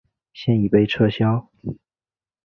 现已被撤销。